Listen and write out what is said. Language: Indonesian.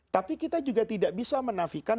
tapi kita juga tidak bisa menafikan